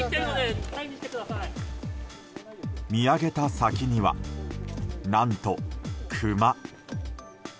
見上げた先には、何とクマ。